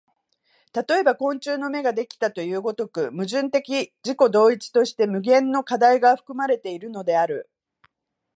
例えば昆虫の眼ができたという如く、矛盾的自己同一として無限の課題が含まれているのである。